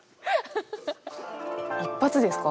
一発ですか？